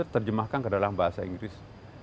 terjemahkan ke dalam bahasa inggris